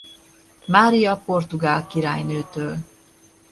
Mária portugál királynőtől.